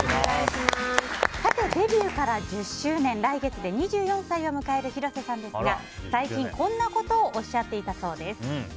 デビューから１０周年来月で２４歳を迎える広瀬さんですが最近こんなことをおっしゃっていたそうです。